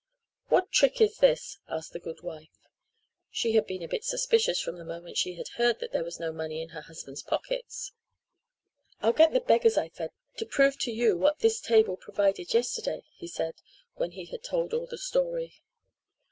"What trick is this?" asked the good wife. She had been a bit suspicious from the moment she had heard that there was no money in her husband's pockets. "I'll get the beggars I fed to prove to you what this table provided yesterday," he said when he had told all the story.